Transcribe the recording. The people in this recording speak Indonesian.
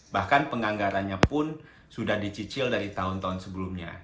bahkan penganggarannya pun sudah dicicil dari tahun tahun sebelumnya